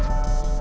ingat ya sah